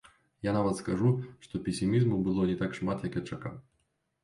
Я нават скажу, што песімізму было не так шмат, як я чакаў.